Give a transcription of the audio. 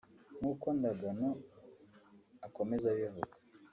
nk’uko Ndagano akomeza abivuga